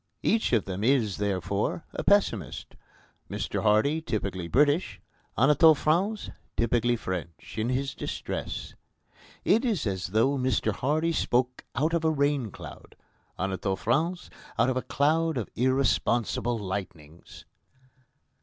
Each of them is, therefore, a pessimist Mr Hardy typically British, Anatole France typically French, in his distress. It is as though Mr Hardy spoke out of a rain cloud; Anatole France out of a cloud of irresponsible lightnings.